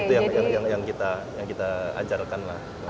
itu yang kita ajarkan lah